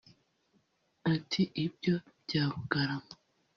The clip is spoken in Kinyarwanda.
Ati “ Ibyo bya Bugarama